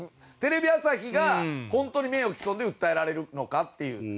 テレビ朝日が本当に名誉毀損で訴えられるのかっていう。